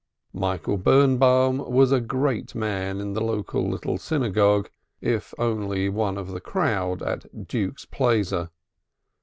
Michael Birnbaum was a great man in the local little synagogue if only one of the crowd at "Duke's Plaizer."